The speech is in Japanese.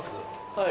はい。